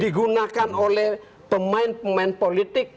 digunakan oleh pemain pemain politik